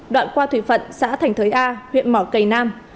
đoạn qua thủy phận xã thành thới a huyện mỏ cầy nam